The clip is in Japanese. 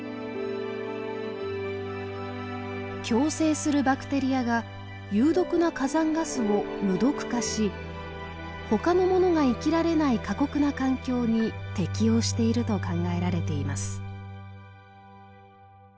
共生するバクテリアが有毒な火山ガスを無毒化し他のものが生きられない過酷な環境に適応していると考えられています。